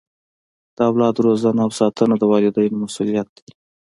د اولاد روزنه او ساتنه د والدینو مسؤلیت دی.